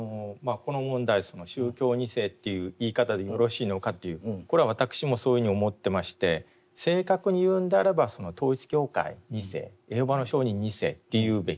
この問題その宗教２世という言い方でよろしいのかというこれは私もそういうふうに思ってまして正確に言うんであれば統一教会２世エホバの証人２世って言うべき。